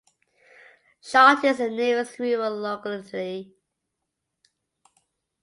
Shalty is the nearest rural locality.